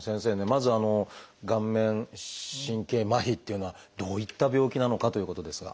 まず顔面神経麻痺っていうのはどういった病気なのかということですが。